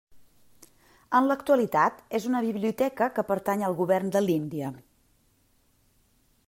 En l'actualitat és una biblioteca que pertany al govern de l'Índia.